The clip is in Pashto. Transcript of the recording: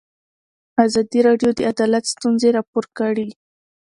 ازادي راډیو د عدالت ستونزې راپور کړي.